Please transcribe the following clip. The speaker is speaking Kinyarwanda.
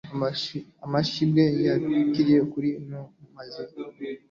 Amashurwe ya kireri kuri Ueno ameze neza ubu.